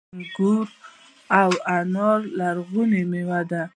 انګور او انار لرغونې میوې دي